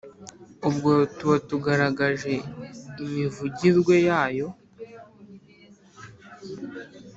ubwo tuba tugaragaje imivugirwe yayo.